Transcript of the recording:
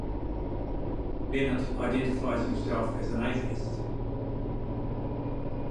Bennett identifies himself as an atheist.